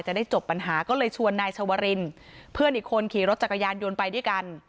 จะได้จบปัญหาก็เลยชวนนายชวรินเพื่อนอีกคนขี่รถจักรยานยนต์ไปด้วยกัน